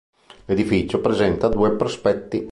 L'edificio presenta due prospetti.